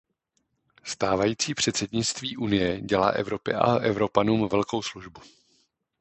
Stávající předsednictví Unie dělá Evropě a Evropanům velkou službu.